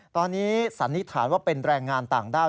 ตอนนี้สันนิษฐานว่าเป็นแรงงานต่างด้าว